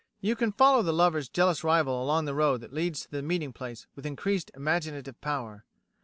You can follow the lover's jealous rival along the road that leads to the meeting place with increased imaginative power.